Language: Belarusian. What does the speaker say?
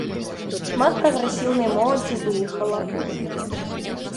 Шмат прагрэсіўнай моладзі выехала.